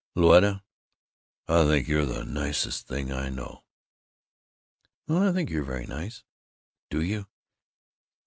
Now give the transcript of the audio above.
"Louetta! I think you're the nicest thing I know!" "Well, I think you're very nice." "Do you?